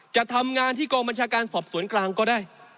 จะทำงานที่กองบัญชาการสอบสวนกลางก็ได้